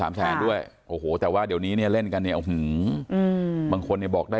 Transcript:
มือนึงใช่มะ